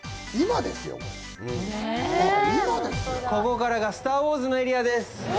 ここからが「スター・ウォーズ」のエリアです。